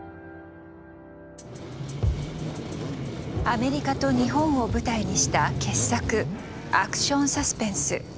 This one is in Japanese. アメリカと日本を舞台にした傑作アクションサスペンス